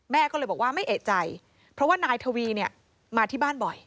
แม่ก็เลยบอกว่าไม่เอกใจเพราะว่านายทวีเนี่ยมาที่บ้านบ่อย